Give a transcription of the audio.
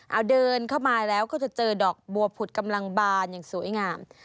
เอาเดินเข้ามาแล้วก็จะเจอดอกบัวผุดกำลังบานอย่างสวยงาม